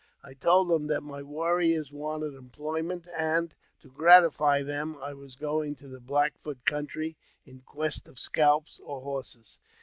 I told him that my warriors wanted employment, and, to gratify them, I was going to the Black Foot country in quest of scalps or horses.